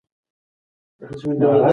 د ماشومانو د تغذیې سیستمونه ارزول شوي.